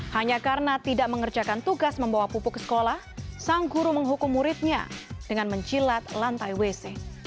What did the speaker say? hanya karena tidak mengerjakan tugas membawa pupuk ke sekolah sang guru menghukum muridnya dengan mencilat lantai wc